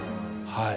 はい。